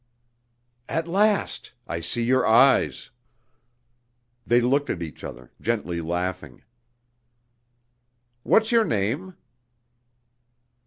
"At last! I see your eyes." They looked at each other, gently laughing. "What's your name?"